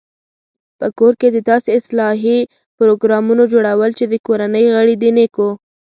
په کور کې د داسې اصلاحي پروګرامونو جوړول چې د کورنۍ غړي د نېکو